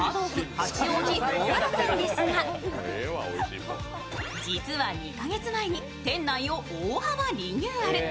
八王子大和田店ですが、実は２か月前に店内を大幅リニューアル。